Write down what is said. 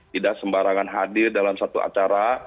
tidak sembarangan hadir dalam satu acara